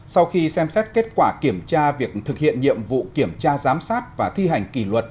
sau khi xem xét kết quả kiểm tra việc thực hiện nhiệm vụ kiểm tra giám sát và thi hành kỷ luật